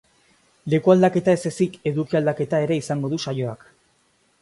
Leku aldaketa ez ezik, eduki aldaketa ere izango du saioak.